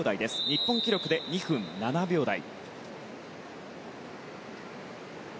日本記録で２分７秒台。